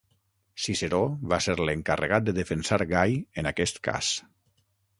Ciceró va ser l'encarregat de defensar Gai en aquest cas.